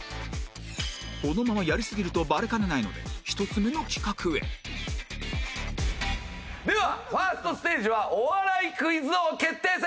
このままやりすぎるとバレかねないので１つ目の企画へではファーストステージはお笑いクイズ王決定戦！